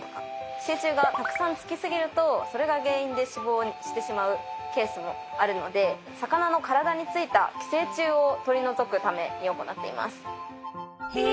寄生虫がたくさんつきすぎるとそれが原因で死亡してしまうケースもあるので魚の体についた寄生虫を取り除くために行っています。